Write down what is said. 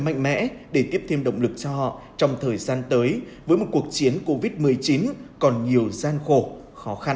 mạnh mẽ để tiếp thêm động lực cho họ trong thời gian tới với một cuộc chiến covid một mươi chín còn nhiều gian khổ khó khăn